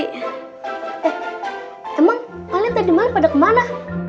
eh teman paling tadi malam pada kemana